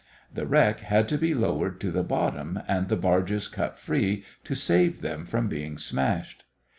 The wreck had to be lowered to the bottom and the barges cut free to save them from being smashed.